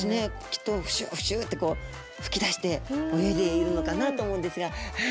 きっとフシュフシュってこう吹き出して泳いでいるのかなと思うんですが。